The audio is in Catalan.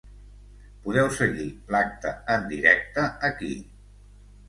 Podeu seguir l’acte en directe aquí.